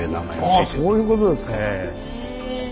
ああそういうことですか。